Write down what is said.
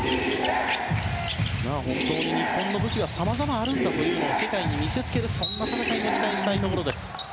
本当に日本の武器はさまざまあるんだというのを世界に見せつける戦いも期待したいところです。